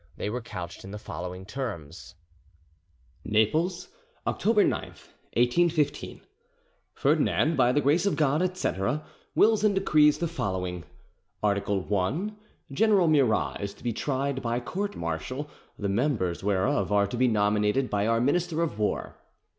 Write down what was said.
They were couched in the following terms: NAPLES, October 9, 1815 "Ferdinand, by the grace of God, etc .... wills and decrees the following: "Art. 1. General Murat is to be tried by court−martial, the members whereof are to be nominated by our Minister of War.